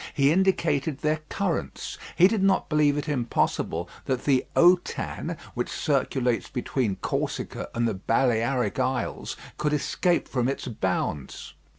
He indicated their currents. He did not believe it impossible that the "Autan," which circulates between Corsica and the Balearic Isles, could escape from its bounds.